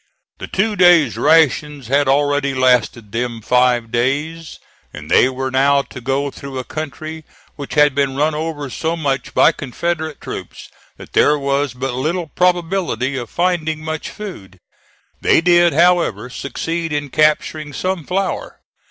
The two days' rations had already lasted them five days; and they were now to go through a country which had been run over so much by Confederate troops that there was but little probability of finding much food. They did, however, succeed in capturing some flour.